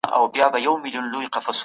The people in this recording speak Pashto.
ولي کابل کي د صنعت لپاره نوښت مهم دی؟